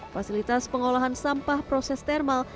fasilitas pengolahan sampah proses thermal